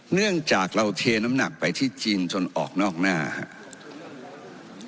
เนื่องจากเราเทน้ำหนักไปที่จีนจนออกนอกหน้าครับ